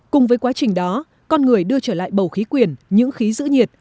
cùng với quá trình đó con người đưa trở lại bầu khí quyển những khí giữ nhiệt